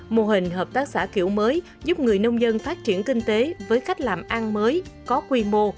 mô hình hợp tác xã kiểu mới giúp người nông dân phát triển kinh tế với cách làm ăn mới có quy mô